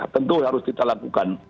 tentu harus kita lakukan